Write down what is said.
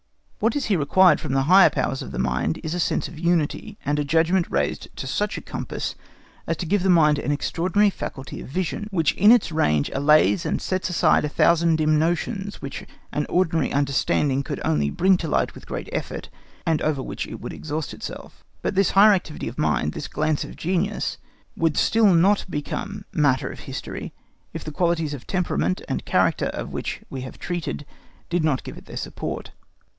What is here required from the higher powers of the mind is a sense of unity, and a judgment raised to such a compass as to give the mind an extraordinary faculty of vision which in its range allays and sets aside a thousand dim notions which an ordinary understanding could only bring to light with great effort, and over which it would exhaust itself. But this higher activity of the mind, this glance of genius, would still not become matter of history if the qualities of temperament and character of which we have treated did not give it their support.